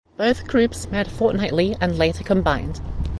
Both groups met fortnightly and later combined.